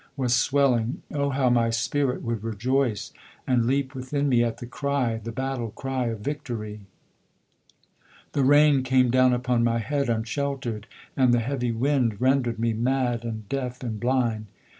was swelling (O! how my spirit would rejoice, And leap within me at the cry) The battle cry of Victory! The rain came down upon my head Unshelter'd and the heavy wind Rendered me mad and deaf and blind.